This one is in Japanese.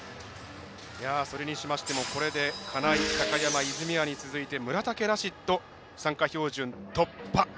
それにしましても、これで金井、高山、泉谷に続いて村竹ラシッド、参加標準突破。